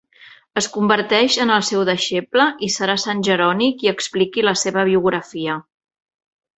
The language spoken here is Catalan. Es converteix en el seu deixeble i serà Sant Jeroni qui expliqui la seva biografia.